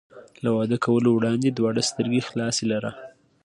له واده کولو وړاندې دواړه سترګې خلاصې لره.